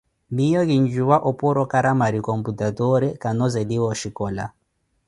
Miyo kinjuwa oporokaramari computatoore, kanozeliwa oshikola.